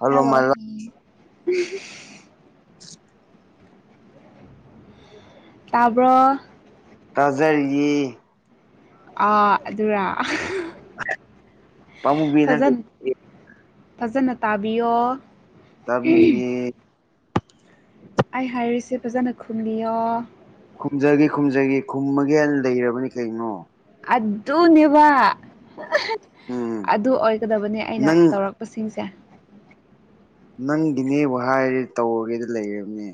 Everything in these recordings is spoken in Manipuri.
ꯍꯜꯂꯣ ꯍꯦꯜꯂꯣ ꯃꯥꯏ [inaudible] ꯇꯕꯔꯣ ꯇꯥꯖꯔꯤꯌꯦ ꯑꯥ ꯑꯗꯨꯔ ꯄꯥꯃꯨꯕꯤ ꯅꯪ ꯐꯖꯅ ꯐꯖꯅ ꯇꯥꯕꯤꯌꯣ ꯇꯥꯕꯤꯔꯤꯌꯦ ꯑꯩꯥꯏ ꯍꯥꯏꯔꯤꯁꯦ ꯐꯖꯥꯅ ꯈꯨꯝꯂꯤꯌꯣ ꯈꯨꯝꯖꯈꯤ ꯈꯨꯝꯖꯒꯤ ꯈꯨꯝꯃꯒꯦ ꯍꯅ ꯂꯩꯔꯕꯅꯤ ꯀꯩꯅꯣ ꯑꯗꯨꯅꯦꯕ ꯎꯝ ꯑꯗꯨ ꯑꯣꯏꯒꯗꯕꯅꯦ ꯑꯩꯅ ꯅꯪ ꯇꯧꯔꯛ ꯄꯁꯤꯡꯁꯦ ꯅꯪꯒꯤꯅꯦꯕꯨ ꯍꯥꯏꯔꯦ ꯇꯧꯔꯒꯦꯗ ꯂꯩꯔꯕꯅꯦ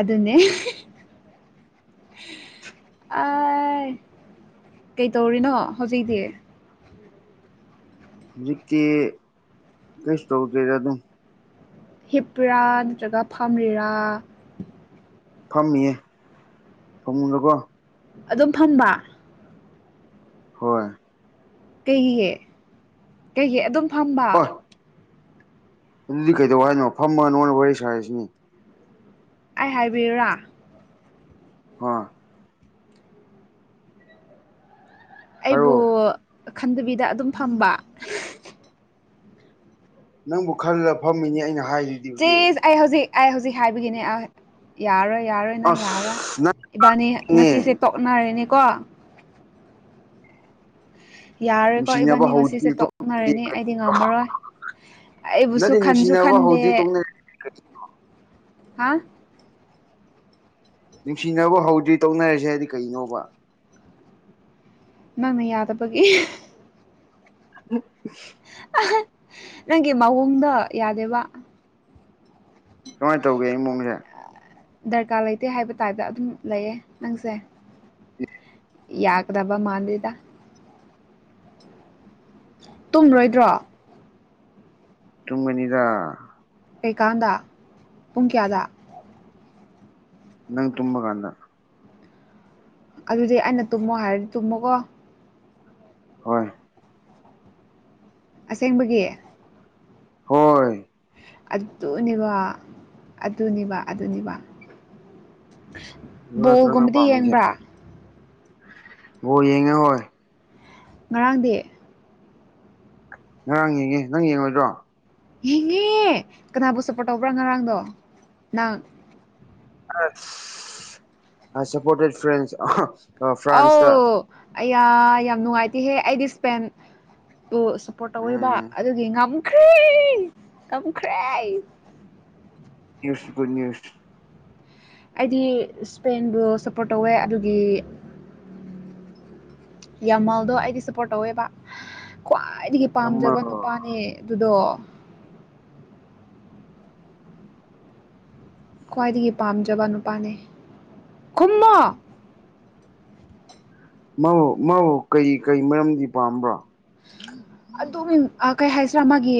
ꯑꯗꯨꯅꯦ ꯑ ꯀꯩꯇꯧꯔꯤꯅꯣ ꯍꯧꯖꯤꯛꯇꯤ ꯍꯧꯖꯤꯛꯇꯤ ꯀꯩꯁꯨ ꯇꯧꯗꯦꯗ ꯑꯗꯨꯝ ꯍꯤꯄꯔꯥ ꯅꯠꯇ꯭ꯔꯒ ꯐꯝꯔꯤꯔꯥ ꯐꯝꯃꯤꯌꯦ ꯐꯝꯃꯨꯗꯀꯣ ꯑꯗꯨꯝ ꯐꯟꯕ ꯍꯣꯏ ꯀꯩꯒꯤ ꯀꯩꯒꯤ ꯑꯗꯨꯝ ꯐꯝꯕ ꯍꯣꯏ ꯑꯗꯨꯗꯤ ꯀꯩꯗꯧ ꯍꯥꯏꯅꯣ ꯐꯝꯃꯥ ꯅꯣꯅ ꯋꯥꯔꯤ ꯁꯥꯔꯤꯁꯤꯅꯤ ꯑꯩ ꯍꯥꯏꯕꯤꯔꯥ ꯍꯥ ꯑꯩꯕꯨ ꯍꯥꯏꯔꯛꯑꯣ ꯈꯟꯗꯕꯤꯗ ꯑꯗꯨꯝ ꯐꯝꯕ ꯅꯪꯕꯨ ꯈꯜꯂ ꯐꯝꯃꯤꯅꯤ ꯑꯩꯅ ꯍꯥꯏꯔꯤ ꯆꯖ ꯑꯩ ꯍꯧꯖꯤꯛ ꯑꯩ ꯍꯧꯖꯤꯛ ꯍꯥꯏꯕꯒꯤꯅꯦ ꯑ ꯌꯥꯔꯣꯏ ꯌꯥꯔꯣꯏ ꯑꯩꯅ ꯌꯥꯔꯔꯣꯏ ꯑꯁ ꯏꯕꯥꯅꯤ ꯅꯪꯅꯦ ꯉꯁꯤꯁꯦ ꯇꯣꯛꯅꯔꯦꯅꯤꯀꯣ ꯌꯥꯔꯦꯀꯣ ꯅꯨꯡꯁꯤꯅꯕ ꯏꯕꯥꯅꯤ ꯉꯁꯤꯁꯦ ꯍꯧꯗ꯭ꯔꯤ ꯇꯣꯛꯅꯔꯦꯅꯤ ꯑꯩꯗꯤ ꯉꯝꯃꯔꯣꯏ ꯑꯩꯕꯨꯁꯨ ꯅꯠꯇꯦ ꯈꯟꯁꯨ ꯅꯨꯡꯁꯤꯅꯕ ꯈꯟꯗꯦ ꯍꯧꯗ꯭ꯔꯤ ꯇꯣꯛꯅ ꯍꯥ ꯅꯨꯡꯁꯤꯅꯕ ꯍꯧꯗ꯭ꯔꯤ ꯇꯧꯅꯔꯁꯦ ꯍꯥꯏꯗꯤ ꯀꯩꯅꯣꯕ ꯅꯪꯅ ꯌꯥꯗꯕꯒꯤ [unintelligible] ꯅꯪꯒꯤ ꯃꯑꯣꯡꯗ ꯌꯥꯗꯦꯕ ꯀꯃꯥꯏꯅ ꯇꯧꯒꯦ ꯑꯩ ꯃꯑꯣꯨꯡꯁꯦ ꯗꯔꯀꯥꯔ ꯂꯩꯇꯦ ꯍꯥꯏꯕ ꯇꯥꯏꯞꯇ ꯑꯗꯨꯝ ꯂꯩꯌꯦ ꯅꯪꯁꯦ ꯌꯥꯀꯗꯕ ꯃꯥꯥꯟꯗ ꯇꯨꯝꯔꯣꯏꯗ꯭ꯔꯣ ꯇꯨꯡꯕꯅꯤꯗ ꯀꯩꯀꯥꯟꯗ ꯄꯨꯡ ꯀꯌꯥꯗ ꯅꯪ ꯇꯨꯝꯕ ꯀꯥꯟꯗ ꯑꯗꯨꯗꯤ ꯑꯩꯅ ꯇꯨꯝꯃꯣ ꯍꯥꯏꯔꯗꯤ ꯇꯨꯝꯃꯣꯀꯣ ꯍꯣꯏ ꯑꯁꯦꯡꯕꯒꯤ ꯍꯣꯏ ꯑꯗꯨꯅꯦꯕ ꯑꯗꯨꯅꯦꯕ ꯑꯗꯨꯅꯦꯕ ꯑꯗꯨ ꯅꯠꯇ꯭ꯔꯣ ꯅꯪ ꯕꯣꯒꯨꯝꯕꯗꯤ ꯄꯥꯝꯃꯤꯁꯦ ꯌꯦꯡꯕ꯭ꯔꯥ ꯑꯣ ꯌꯦꯡꯉꯦ ꯍꯣꯏ ꯉꯔꯥꯡꯗꯤ ꯉꯔꯥꯡ ꯌꯦꯡꯉꯦ ꯅꯪ ꯌꯦꯡꯂꯡꯉꯣꯏꯗ꯭ꯔꯣ ꯌꯦꯡꯉꯦ ꯀꯅꯥꯕꯨ ꯁꯞꯄꯣꯔꯠ ꯇꯧꯕ꯭ꯔꯥ ꯉꯔꯥꯡꯗꯣ ꯅꯍꯪ ꯁꯄꯣꯇꯦꯠ ꯐ꯭ꯔ ꯑꯧ ꯑꯩꯌꯥ ꯌꯥꯝ ꯅꯨꯡꯉꯥꯏꯇꯦꯍꯦ ꯑꯩꯗꯤ ꯁ꯭ꯄꯦꯟ ꯁꯞꯄꯣꯔꯠ ꯇꯧꯋꯦꯕ ꯎꯝ ꯑꯗꯨꯗꯤ ꯉꯝꯈ꯭ꯔꯦ ꯉꯝꯈ꯭ꯔꯦ ꯅ꯭ꯌꯨꯁ ꯒꯨ ꯅ꯭ꯌꯨꯁ ꯑꯩꯗꯤ ꯁ꯭ꯄꯦꯟꯕꯨ ꯁꯞꯄꯣꯔꯠ ꯇꯧꯋꯦ ꯑꯗꯨꯒꯤ ꯌꯥꯝꯃꯜꯗꯣ ꯑꯩꯗꯤ ꯁꯞꯄꯣꯔꯠ ꯇꯧꯋꯦꯕ ꯈ꯭ꯋꯥꯏꯗꯒꯤ ꯄꯥꯝꯖꯕ ꯅꯨꯄꯥꯅꯦ ꯑꯗꯨꯗꯣ ꯈ꯭ꯋꯥꯏꯗꯒꯤ ꯄꯥꯝꯖꯕ ꯅꯨꯄꯥꯅꯦ ꯈꯨꯝꯃꯣ ꯃꯥꯕꯨ ꯃꯥꯕꯨ ꯀꯩ ꯀꯩ ꯃꯔꯝꯗꯤ ꯄꯥꯝꯕ꯭ꯔꯥ ꯑꯗꯨ ꯀꯩ ꯍꯥꯏꯁꯤꯔꯥ ꯃꯥꯒꯤ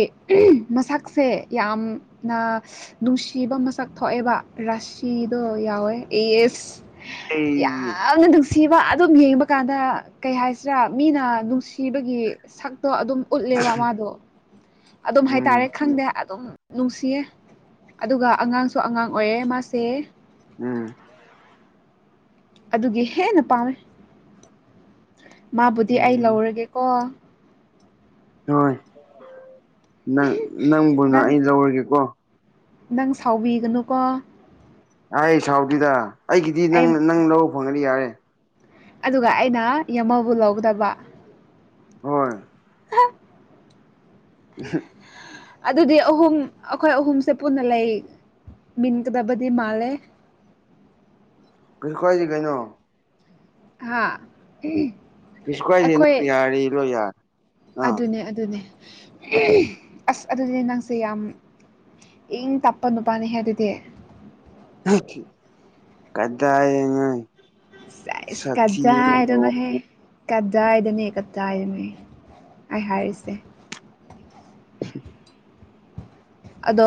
ꯃꯁꯛꯁꯦ ꯌꯥꯝꯅ ꯅꯨꯡꯁꯤꯕ ꯃꯁꯛ ꯊꯣꯛꯑꯦꯕ ꯔꯥꯁꯤꯗꯣ ꯌꯥꯎꯋꯦ ꯑꯦ ꯑꯦꯁ ꯑꯩ ꯌꯥꯝꯅ ꯅꯨꯡꯁꯤꯕ ꯑꯗꯨꯝ ꯌꯦꯡꯕ ꯀꯥꯟꯗ ꯀꯩ ꯍꯥꯏꯁꯤꯔꯥ ꯃꯤꯅ ꯅꯨꯡꯁꯤ ꯊꯤꯕꯒꯤ ꯁꯛꯇꯣ ꯑꯗꯨꯝ ꯎꯠꯂꯦꯕ ꯃꯥꯗꯣ ꯑꯗꯨꯝ ꯎꯝ ꯍꯥꯏꯇꯥꯔꯦ ꯈꯪꯗꯦ ꯑꯗꯨꯝ ꯅꯨꯡꯁꯤꯌꯦ ꯑꯗꯨꯒ ꯑꯉꯥꯡꯁꯨ ꯑꯉꯥꯡ ꯑꯣꯏꯔꯦ ꯃꯥꯁꯦ ꯎꯝ ꯑꯗꯨꯒꯤ ꯍꯦꯟꯅ ꯄꯥꯝꯃꯦ ꯃꯥꯕꯨꯗꯤ ꯑꯩ ꯎꯝ ꯂꯧꯔꯒꯦꯀꯣ ꯍꯣꯏ ꯅꯪ ꯅꯪꯕꯨꯅ ꯅꯪ ꯑꯩ ꯂꯧꯔꯒꯦꯀꯣ ꯅꯪ ꯁꯥꯎꯕꯤꯒꯅꯨꯀꯣ ꯑꯩ ꯁꯥꯎꯗꯨꯗ ꯑꯩꯒꯤꯗꯤ ꯑꯩ ꯅꯪ ꯅꯪ ꯂꯧꯧꯕ ꯐꯪꯒꯅꯤ ꯌꯥꯔꯦ ꯑꯗꯨꯒ ꯑꯩꯅ ꯌꯦꯃꯕꯨ ꯂꯧꯒꯗꯕ ꯍꯣꯏ ꯑꯗꯨꯗꯤ ꯑꯍꯨꯝ ꯑꯩꯈꯣꯏ ꯑꯍꯨꯝꯁꯦ ꯄꯨꯟꯅ ꯂꯩ ꯃꯤꯤꯟ ꯀꯗꯕꯗꯤ ꯃꯥꯂꯦ ꯀꯩꯁꯨ ꯀꯁꯤꯦ ꯀꯩꯅꯣ ꯍꯥꯥ ꯄꯤꯁꯀꯋꯥꯥꯏꯅꯤ ꯅ ꯌꯥꯔꯤ ꯂꯣ ꯌꯥꯗ ꯑꯗꯨꯅꯦ ꯑꯗꯨꯅꯦ ꯑꯁ ꯑꯗꯨꯗꯤ ꯅꯪꯁꯦ ꯌꯥꯝ ꯏꯪ ꯇꯥꯞꯄ ꯅꯨꯄꯥꯅꯤ ꯍꯥꯏ ꯑꯗꯨꯗꯤ ꯀꯗꯥꯏꯉꯣꯏ ꯀꯖꯥ ꯋꯥꯟ ꯍꯥꯏꯅꯣꯍꯦ ꯀꯗꯥꯏꯗꯅꯦ ꯀꯗꯥꯏꯗꯅꯦ ꯑꯩ ꯍꯥꯏꯔꯤꯁꯦ [unintelligible] ꯑꯗꯣ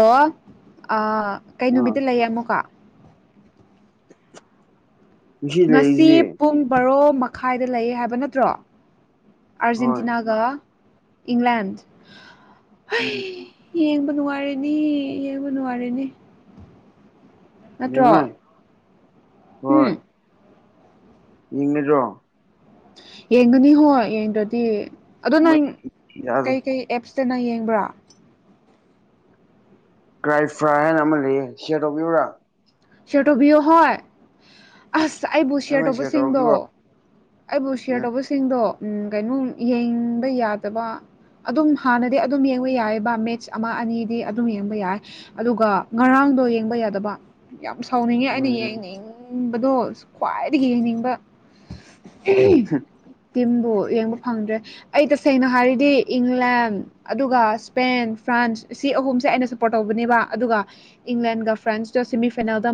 ꯀꯩꯅ ꯑꯥ ꯅꯨꯕꯤꯗ ꯂꯩꯌꯦ ꯑꯃꯨꯀꯣ ꯉꯁꯤ ꯄꯨꯡ ꯕꯔꯣ ꯃꯈꯥꯏꯗ ꯂꯩꯌꯦ ꯍꯥꯏꯕ ꯅꯠꯇ꯭ꯔꯣ ꯍꯣꯏ ꯑꯔꯖꯦꯟꯇꯤꯅꯥꯒ ꯏꯪ꯭ꯂꯗ ꯎꯝ ꯌꯦꯡꯕ ꯅꯨꯡꯉꯥꯏꯔꯦꯅꯤ ꯌꯦꯡꯕ ꯅꯨꯡꯉꯥꯏꯔꯦꯅꯦ ꯌꯦꯡꯉꯣꯏ ꯅꯠꯇ꯭ꯔꯣ ꯎꯝ ꯏꯡꯉꯗꯣ ꯌꯦꯡꯒꯅꯤ ꯍꯣ ꯌꯦꯡꯗ꯭ꯔꯗꯤ ꯑꯗꯨꯣ ꯅꯪ ꯌꯥꯔꯦ ꯀꯩꯀꯩ ꯑꯦꯞꯁꯇꯅ ꯌꯦꯡꯕ꯭ꯔꯥ ꯀ꯭ꯔꯥꯏꯐ꯭ꯔꯥꯏ ꯍꯥꯏꯅ ꯑꯃ ꯂꯩꯌꯦ ꯁꯦꯗꯣꯌꯨꯨꯔꯥ ꯁꯤꯇꯣ ꯌ ꯍ ꯑꯁ ꯑꯩꯕꯨ ꯁꯤ ꯑꯩꯉꯣꯟꯗ ꯁꯤꯌꯔ ꯑꯇꯣꯄꯁꯤꯡꯗꯣ ꯇꯧꯔꯛꯄꯤꯌꯣ ꯑꯩꯕꯨ ꯁꯤꯌꯥꯇꯣꯄ ꯁꯤꯡꯗꯣ ꯎ ꯀꯩꯅꯣ ꯌꯦꯡꯕ ꯌꯥꯗꯕ ꯑꯗꯨꯝ ꯍꯥꯟꯅꯗꯤ ꯑꯗꯨꯝ ꯌꯦꯡꯕ ꯌꯥꯏ ꯕꯥ ꯃꯦꯠꯁ ꯑꯃ ꯑꯅꯤꯗꯤ ꯑꯗꯨꯝ ꯌꯦꯡꯕ ꯌꯥꯏ ꯑꯗꯨꯒ ꯉꯔꯥꯡꯗꯣ ꯌꯦꯡꯕ ꯌꯥꯗꯕ ꯌꯥꯝ ꯁꯥꯎꯅꯤꯡꯉꯦ ꯑꯩꯅ ꯎꯝ ꯌꯦꯡꯅꯤꯡꯕꯗꯣ ꯈ꯭ꯋꯥꯏꯗꯒꯤ ꯌꯦꯡꯅꯤꯡꯕ ꯇꯤꯝꯕꯨ ꯌꯦꯡꯕ ꯐꯪꯗ꯭ꯔꯦ ꯑꯩ ꯇꯁꯦꯡꯅ ꯍꯥꯏꯔꯤꯗꯤ ꯏꯪꯂꯦꯟ ꯑꯗꯨꯒ ꯁ꯭ꯄꯦꯟ ꯐ꯭ꯔꯥꯟꯁ ꯁꯤ ꯑꯍꯨꯝꯁꯦ ꯑꯩꯅ ꯁꯞꯄꯣꯔꯠ ꯇꯧꯕꯅꯦꯕ ꯑꯗꯨꯒ ꯏꯪꯂꯦꯟꯒ ꯐ꯭ꯔꯦꯟꯁ ꯣ ꯁꯦꯃꯤꯐꯥꯏꯅꯦꯜꯗ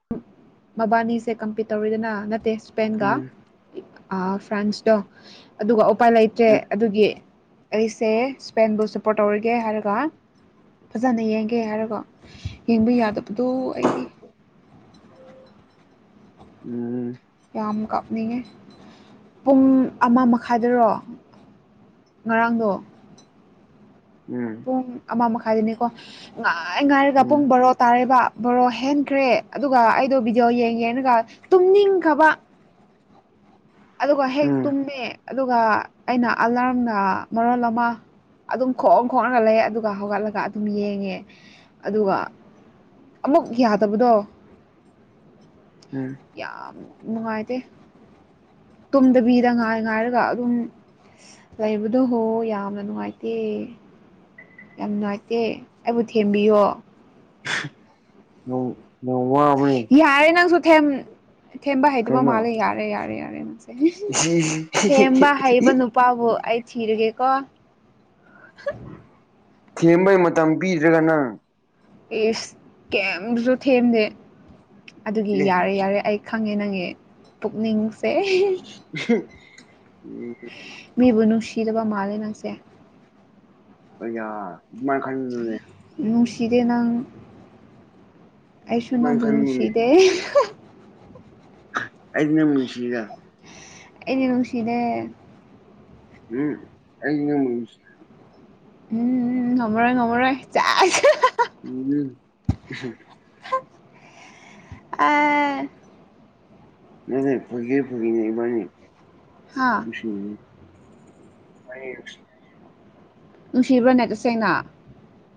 ꯃꯕꯥꯅꯤꯁꯦ ꯀꯝꯄꯤꯠ ꯇꯧꯔꯤꯗꯅ ꯅꯠꯇꯦ ꯎꯝ ꯁꯄꯦꯟꯒ ꯎꯝ ꯑ ꯐ꯭ꯔꯥꯟꯁꯇꯣ ꯑꯗꯨꯒ ꯎꯄꯥꯏ ꯂꯩꯇ꯭ꯔꯦ ꯑꯗꯨꯒꯤ ꯑꯩꯁꯦ ꯁ꯭ꯄꯦꯟꯕꯨ ꯁꯞꯄꯣꯔꯠ ꯇꯧꯔꯒꯦ ꯍꯥꯏꯔꯒ ꯐꯖꯅ ꯌꯦꯡꯒꯦ ꯍꯥꯏꯔꯒꯣ ꯌꯦꯡꯕ ꯌꯥꯗꯕꯗꯣ ꯑꯩꯒꯤ ꯎꯝ ꯀꯥꯞꯅꯤꯡꯉꯦ ꯄꯨꯡ ꯑꯃ ꯃꯈꯥꯏꯗꯔꯣ ꯉꯔꯥꯡꯗꯣ ꯎꯝ ꯄꯨꯡ ꯑꯃ ꯃꯈꯥꯏꯗꯅꯤꯀꯣ ꯉꯥꯏ ꯉꯥꯏꯔꯒ ꯎꯝ ꯄꯨꯡ ꯕꯣꯔꯣ ꯇꯥꯔꯦꯕ ꯕ ꯍꯦꯟꯈ꯭ꯔꯦ ꯑꯗꯨꯒ ꯑꯩꯗꯣ ꯕꯤꯗꯤꯑꯣ ꯌꯦꯡꯒꯦꯅꯒ ꯇꯨꯝꯅꯤꯡꯈꯕ ꯑꯗꯨꯒ ꯍꯦꯛ ꯎꯝ ꯇꯨꯝꯃꯦ ꯑꯗꯨꯒ ꯑꯩꯅ ꯑꯂꯥꯔꯝꯅ ꯃꯔꯣꯜ ꯑꯃ ꯑꯗꯨꯝ ꯈꯣꯡꯑ ꯈꯣꯡꯑꯒ ꯂꯩ ꯑꯗꯨꯒ ꯍꯧꯒꯠꯂꯒ ꯑꯗꯨꯝ ꯌꯦꯡꯉꯦ ꯑꯗꯨꯒ ꯑꯃꯨꯛ ꯌꯥꯗꯕꯗꯣ ꯎꯝ ꯌꯥꯝ ꯅꯨꯡꯉꯥꯏꯇꯦ ꯇꯨꯝꯗꯕꯤꯗ ꯉꯥꯏ ꯉꯥꯏꯔꯒ ꯑꯗꯨꯝ ꯂꯩꯕꯗꯣ ꯍꯣ ꯌꯥꯝꯅ ꯅꯨꯡꯉꯥꯏꯇꯦ ꯌꯥꯝ ꯅꯨꯡꯉꯥꯏꯇꯦ ꯑꯩꯕꯨ ꯊꯦꯝꯕꯤꯌꯣ ꯅ ꯅꯣꯡꯃ ꯌꯥꯔꯦ ꯅꯪꯁꯨ ꯊꯦꯝ ꯊꯦꯝꯕ ꯍꯩꯇꯕ ꯀꯩꯅꯣ ꯃꯥꯜꯂꯦ ꯌꯥꯔꯦ ꯌꯥꯔꯦ ꯌꯥꯔꯦ ꯅꯪ ꯊꯦꯝꯕ ꯍꯩꯕ ꯅꯨꯄꯥꯕꯨ ꯑꯩ ꯊꯤꯔꯒꯦꯀꯣ [inaudible] ꯊꯦꯝꯕꯩ ꯃꯇꯝ ꯄꯤꯗ꯭ꯔꯒ ꯅꯪ ꯑꯦꯁ ꯀꯦꯝꯁꯨ ꯊꯦꯝꯗꯦ ꯑꯗꯨꯒꯤ ꯑꯦ ꯌꯥꯔꯦ ꯌꯥꯔꯦ ꯑꯩ ꯈꯪꯉꯦ ꯅꯪꯉꯦ ꯄꯨꯛꯅꯤꯡ ꯎꯝ ꯃꯤꯕꯨ ꯅꯨꯡꯁꯤꯗꯔꯕ ꯃꯥꯜꯂꯦ ꯅꯪꯁꯦ ꯌꯥ ꯑꯗꯨꯃꯥꯏꯅ ꯈꯅꯦ ꯅꯨꯡꯁꯤꯗꯦ ꯅꯪ ꯑꯥꯏꯁꯣꯟ ꯑꯗꯨꯃꯥꯏꯅ ꯅꯪꯕꯨ ꯈꯟꯒꯅꯨꯅꯦ ꯅꯨꯡꯁꯤꯗꯦ ꯑꯩꯗꯅꯦ ꯃꯟꯁꯤꯗ ꯑꯦꯅꯦ ꯅꯨꯡꯁꯤꯅꯦ ꯎꯝ ꯑꯩ ꯎꯝ ꯉꯃꯔꯣꯏ ꯉꯃꯔꯣꯏ ꯆꯥꯏ ꯎꯝ ꯑꯦ ꯅ ꯂꯩ ꯐꯒ ꯐꯒꯅꯦꯕꯅꯤ ꯍꯥ ꯑꯩ ꯅꯨꯡꯁꯤꯕ꯭ꯔꯅꯦ ꯇꯁꯦꯡꯅ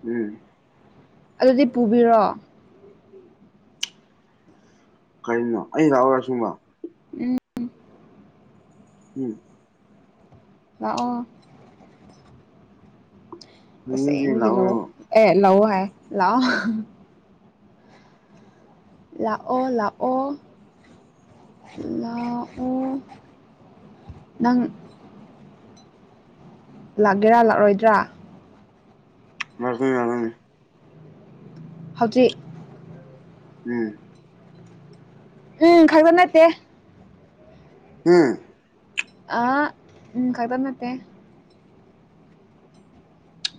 ꯎꯝ ꯑꯗꯨꯗꯤ ꯄꯨꯕꯤꯔꯣ ꯀꯔꯤꯅꯣ ꯑꯩ ꯂꯥꯛꯑꯣꯔ ꯁꯤꯕ ꯎꯝ ꯎꯝ ꯂꯥꯛꯑꯣ ꯐꯥꯒꯤ ꯅꯠꯇꯦ ꯇꯁꯦꯡꯒꯤ ꯂꯑꯣ ꯂꯥꯛꯎꯔꯕ ꯑꯦ ꯂꯥꯛꯑꯣ ꯍꯥꯏ ꯂꯥꯛꯑꯣ ꯂꯥꯛꯑꯣ ꯂꯥꯛꯑꯣ ꯂꯥꯛ ꯑꯣ ꯅꯪ ꯂꯥꯛꯒꯦꯔꯥ ꯂꯥꯛꯑꯣꯣꯏꯗ꯭ꯔꯥ [unintelligible] ꯍꯧꯖꯤꯛ ꯎꯝ ꯎꯝ ꯈꯛꯗ ꯅꯠꯇꯦ ꯍꯨꯝ ꯑꯥꯍꯥ [unintelligible]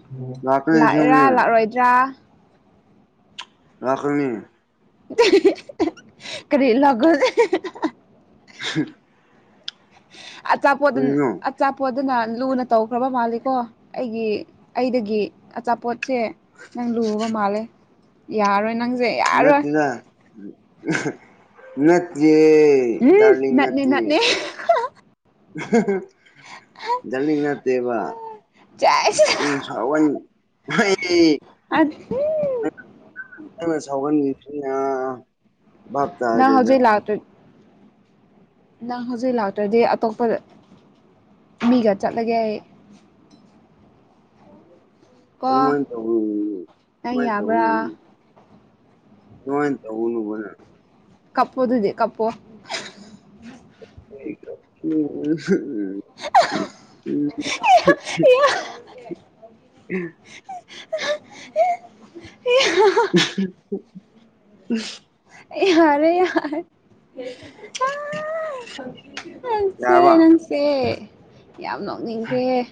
[inaudible] ꯂꯥꯛꯏꯔꯥ ꯑꯁꯦꯡꯕꯅꯦ ꯂꯥꯛꯂ‌ꯣꯏꯗ꯭ꯔꯥ ꯂꯥꯛꯀꯅꯤ [unintelligible] ꯀꯔꯤ ꯂꯥꯛꯒ [unintelligible] ꯑꯆꯥꯄꯣꯠ ꯗꯨꯟ ꯀꯔꯤꯅꯣ [unintelligible] ꯑꯆꯥꯄꯣꯠꯗꯨꯅ ꯂꯨꯅ ꯇꯧꯈ꯭ꯔꯕ ꯃꯥꯜꯂꯤꯀꯣ ꯑꯩꯒꯤ ꯑꯩꯗꯒꯤ ꯑꯆꯥꯄꯣꯠꯁꯦ ꯅꯪ ꯂꯨꯕ ꯃꯥꯜꯂꯦ ꯌꯥꯔꯔꯣꯏ ꯅꯪꯖ‌ꯦ ꯅꯠꯇ‌ꯦꯗ ꯅꯠꯇꯤꯌ‌ꯦ [unintelligible] ꯎꯝ ꯗꯥꯔꯂꯤꯡ ꯅꯠꯅꯦ ꯅꯠꯇ‌ꯦ ꯅꯠꯅꯦ [unintelligible] ꯖꯂꯤꯡ ꯅꯠꯇꯦꯕ ꯅꯪꯅ ꯁꯥꯎꯋꯩꯟ [unintelligible] ꯑꯩ [unintelligible] ꯅꯪꯅ ꯁꯥꯎꯒꯟꯕꯁꯤꯅ ꯅ ꯍꯧꯖꯤꯛ ꯂꯥꯛꯇ꯭ꯔ ꯅꯪ ꯍꯧꯖꯤꯛ ꯂꯥꯛꯇ꯭ꯔꯗꯤ ꯑꯇꯣꯞꯄ ꯃꯤꯒ ꯆꯠꯂꯒꯦ ꯑꯩ ꯀꯣ ꯑꯗꯨꯃꯥꯏ ꯇꯧꯒ‌ [inaudible] ꯅꯪ ꯗꯨꯃꯥꯏ ꯌꯥꯕ꯭ꯔꯥ [inaudible] ꯑꯗꯨꯃꯥꯏ ꯇꯧꯒꯅꯨꯕ ꯅꯪ ꯀꯞꯄꯣ ꯗꯨꯗꯤ ꯀꯞꯄꯣ [unintelligible] [unintelligible] [unintelligible] [unintelligible] ꯑꯩ ꯌꯥꯔꯦ ꯌꯥꯔ ꯃꯥ ꯅꯪꯆ‌ꯦ ꯌꯥꯔꯕ ꯅꯪꯁꯦ ꯌꯥꯝ ꯅꯣꯛꯅꯤꯡꯈ꯭ꯔꯦꯍ‌ꯦ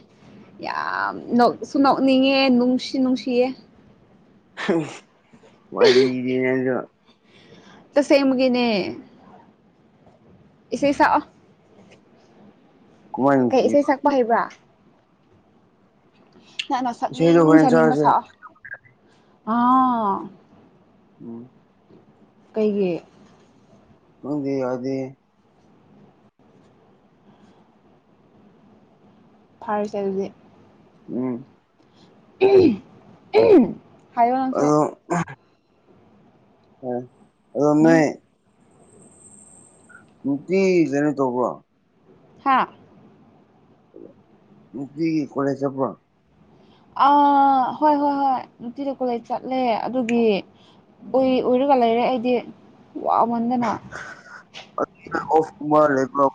ꯌꯥꯝ ꯅ‌ꯣꯛꯁꯨ ꯅꯣꯛꯅꯤꯡꯉꯦ ꯅꯨꯡꯁꯨ ꯅꯨꯡꯁꯤꯌꯦ ꯋꯥꯔꯤꯗꯤ ꯅꯪꯖꯨ ꯇꯁꯦꯡꯕꯒꯤ‌ꯦ ꯏꯁꯩ ꯁꯛꯑꯣ ꯀꯃꯥꯏ ꯀꯩ ꯏꯁꯩ ꯅꯨꯡꯁꯤꯕ ꯁꯛꯄ ꯍꯩꯕ꯭ꯔꯥ ꯅꯪꯅ ꯏꯁꯩꯗꯣ ꯁꯛꯅꯤꯡ ꯍꯣꯔꯦꯟ ꯁꯛꯅꯤꯡꯕ ꯆꯥꯔꯁꯦ ꯁꯥꯛꯑꯣ ꯑꯥ ꯎꯝ ꯀꯩꯒꯤ ꯈꯪꯗ‌ꯦ ꯌꯥꯗ‌ꯦ ꯐꯥꯔꯁꯦ ꯑꯗꯨꯗꯤ ꯎꯝ [unintelligible] ꯍꯥꯏꯌ‌ꯣ ꯅꯪꯁꯨ [unintelligible] ꯑ ꯑꯗ‌ꯣ ꯎꯝ ꯅ‌ꯣꯏ ꯅꯨꯡꯇꯤꯒꯤ ꯀꯩꯅꯣ ꯇꯧꯕ꯭ꯔꯣ ꯍꯥꯥ ꯅꯨꯡꯇꯤꯒꯤ ꯀ‌ꯣꯂ‌ꯦꯖ ꯆꯠꯄ꯭ꯔ‌ꯣ ꯑꯥ ꯍꯣꯏ ꯍꯣꯏ ꯍꯣꯏ ꯅꯨꯡꯇꯤꯗ ꯀꯣꯂꯦꯖ ꯆꯠꯂꯦ ꯑꯗꯨꯒꯤ ꯎꯏ ꯎꯏꯔꯒ ꯂꯩꯔꯦꯛꯑ‌ꯦꯗꯤ ꯋꯥꯃꯟꯗꯅ [inaudible] ꯑꯣꯐꯀꯨꯝꯕ ꯂꯩꯕ꯭ꯔ‌ꯣ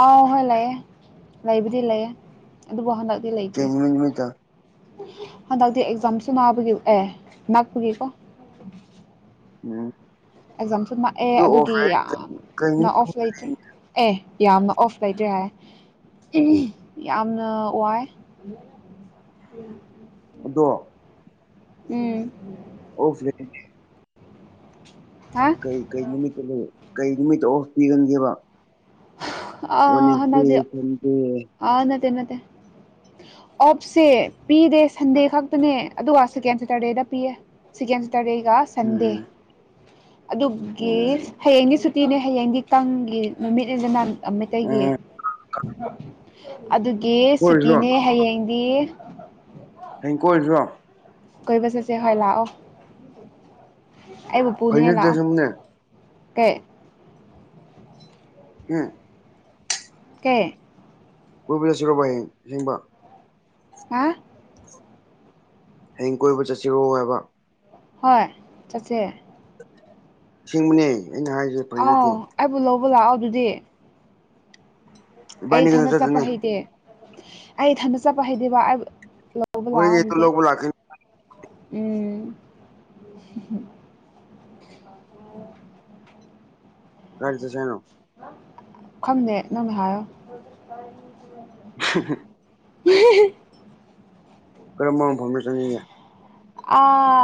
ꯑꯥꯎ ꯍꯣꯏ ꯂꯩꯑꯦ ꯂꯩꯕꯨꯗꯤ ꯂꯩꯑꯦ ꯑꯗꯨꯕꯨ ꯍꯟꯗꯛꯇꯤ ꯂꯩꯇ꯭ꯔꯤ ꯅꯨꯃꯤꯠ ꯅꯨꯃꯤꯠꯇ ꯍꯟꯗꯛꯇꯤ ꯑꯦꯛꯖꯥꯝꯁꯨ ꯅꯥꯕꯒꯤ ꯑꯦ ꯉꯥꯛꯄꯒꯤꯀꯣ ꯎꯝ ꯑꯦꯛꯖꯥꯝꯁꯨ ꯃꯥꯛꯑꯦ ꯑꯗꯨ ꯑꯗꯨꯒꯤ ꯑꯣꯐꯔ ꯀꯩ ꯌꯥꯝꯅ ꯅꯨꯃꯤꯠ ꯑꯣꯐ ꯂꯩꯇ꯭ꯔꯦ ꯑꯦ ꯌꯥꯝꯅ ꯑꯣꯐ ꯂꯩꯇ꯭ꯔꯦ ꯍꯥꯏ ꯌꯥꯝꯅ ꯋꯥꯏ ꯗꯣ ꯎꯝ ꯑꯣ ꯐꯦ ꯍꯥ ꯀꯩꯀꯩ ꯅꯨꯃꯤꯠꯇ ꯂꯩ ꯀꯩ ꯅꯨꯃꯤꯠꯇ ꯑꯣꯁ ꯄꯤꯔꯟꯒꯦꯕ ꯑꯥ ꯑꯣꯅꯤꯁꯦ ꯍꯟꯗꯛꯇꯤ ꯊꯟꯇꯦ ꯑꯥ ꯅꯠꯇꯦ ꯅꯠꯇꯦ ꯑꯣꯞꯁꯦ ꯄꯤꯗꯦ ꯁꯟꯗꯦ ꯈꯛꯇꯅꯦ ꯑꯗꯨꯒ ꯁꯦꯀꯦꯟ ꯁꯦꯇꯔꯗꯦꯗ ꯄꯤꯌꯦ ꯁꯤꯀꯦꯟꯁ ꯇꯔꯒ ꯁꯟꯗꯦ ꯎꯝ ꯑꯗꯨꯒꯤ ꯎꯝ ꯍꯌꯦꯡꯗꯤ ꯁꯨꯇꯤꯅꯦ ꯍꯌꯦꯡꯗꯤ ꯀꯥꯡꯒꯤ ꯅꯨꯃꯤꯠ ꯅꯥ ꯃꯩꯇꯩꯒꯤ ꯎꯝ ꯑꯗꯨꯒꯤ ꯀꯣꯏꯔꯨꯁꯤꯔꯣ ꯁꯨꯇꯤꯅꯦ ꯍꯌꯦꯡ ꯊ ꯍꯌꯦꯡ ꯀꯣꯏꯗ꯭ꯔꯣ ꯀꯣꯏꯕ ꯆꯠꯁꯦ ꯍꯣꯏ ꯂꯥꯛꯑꯣ ꯑꯩꯕꯨꯄꯨꯅꯦꯍꯦꯛ ꯂꯥꯛꯑꯣ ꯍꯩꯅꯗ꯭ꯔꯁꯨꯅꯦ ꯀꯦ ꯎꯝ ꯀꯦ ꯄꯨꯕꯤꯔꯁꯤꯔꯣꯕ ꯍꯦꯡꯕ ꯍꯥ ꯍꯌꯦꯡ ꯀꯣꯏꯕ ꯆꯠꯁꯤꯔꯣ ꯍꯥꯏꯕ ꯍꯣꯏ ꯆꯠꯁꯦ ꯁꯤꯡꯕꯅꯦ ꯑꯩꯅ ꯍꯥꯏꯖ ꯑꯥꯎ ꯑꯩꯕꯨ ꯂꯧꯕ ꯂꯥꯛꯑꯣ ꯑꯗꯨꯗꯤ ꯑꯩ ꯏꯕꯥꯅꯤ ꯈꯛꯇ ꯊꯅꯠ ꯆꯠꯄ ꯆꯠꯇꯣꯏꯅꯦ ꯍꯩꯗꯦ ꯑꯩ ꯏꯊꯟꯗ ꯆꯠꯄ ꯍꯩꯗꯦꯕ ꯂꯧꯕ ꯍꯣꯏꯅꯦ ꯂꯥꯛꯑꯣ ꯑꯗꯨ ꯑꯗꯨꯗꯤ ꯂꯧꯕ ꯂꯥꯛꯀꯦ ꯎꯝ ꯀꯔꯤ ꯆꯁꯅꯣ ꯈꯪꯗꯦ ꯅꯪꯅ ꯍꯥꯏꯌꯣ [unintelligible] ꯎ [inaudible] ꯀꯔꯝꯕ ꯏꯟꯐꯣꯔꯃꯦꯁꯟꯒꯦ ꯑꯥ